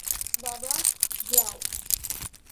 বাবা, যাও।